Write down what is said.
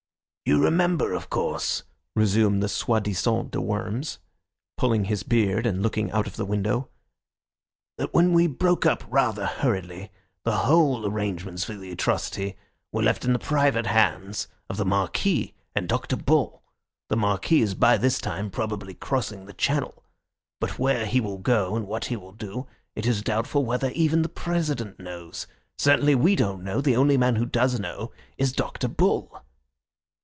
"You remember, of course," resumed the soi disant de Worms, pulling his beard and looking out of the window, "that when we broke up rather hurriedly the whole arrangements for the atrocity were left in the private hands of the Marquis and Dr. Bull. The Marquis is by this time probably crossing the Channel. But where he will go and what he will do it is doubtful whether even the President knows; certainly we don't know. The only man who does know is Dr. Bull."